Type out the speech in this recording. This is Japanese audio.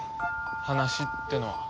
話ってのは。